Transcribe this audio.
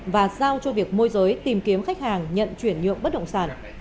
và giao cho việc môi giới tìm kiếm khách hàng nhận chuyển nhượng bất động sản